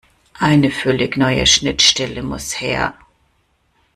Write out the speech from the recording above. Eine völlig neue Schnittstelle muss her.